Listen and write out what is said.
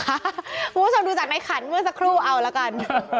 คุณผู้ชมดูจากในขันเมื่อสักครู่เอาละกัน